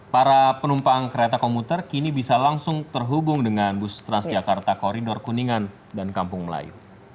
para penumpang kereta komuter kini bisa langsung terhubung dengan bus transjakarta koridor kuningan dan kampung melayu